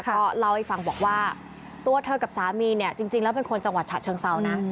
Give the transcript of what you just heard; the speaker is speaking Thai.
ก็เล่าให้ฟังบอกว่าตัวเธอกับสามีเนี่ยจริงแล้วเป็นคนจังหวัดฉะเชิงเซานะ